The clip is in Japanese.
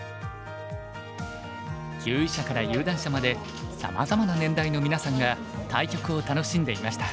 級位者から有段者までさまざまな年代のみなさんが対局を楽しんでいました。